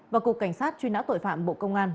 và cục cảnh sát truy nã tội phạm bộ công an